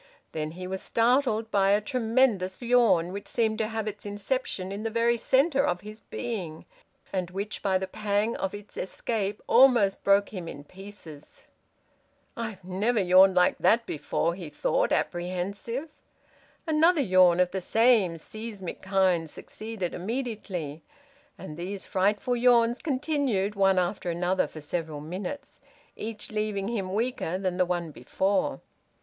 Then he was startled by a tremendous yawn, which seemed to have its inception in the very centre of his being, and which by the pang of its escape almost broke him in pieces. "I've never yawned like that before," he thought, apprehensive. Another yawn of the same seismic kind succeeded immediately, and these frightful yawns continued one after another for several minutes, each leaving him weaker than the one before.